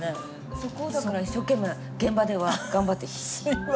そこをだから一生懸命現場では頑張って。